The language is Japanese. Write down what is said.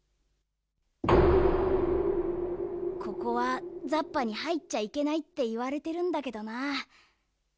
ここはザッパにはいっちゃいけないっていわれてるんだけどな。